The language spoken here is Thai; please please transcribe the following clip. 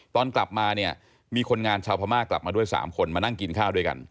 ตอนกลับมาเนี่ยมีคนงานชาวพม่ากลับมาด้วย๓คนมานั่งกินข้าวด้วยกัน